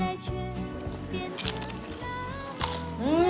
うん！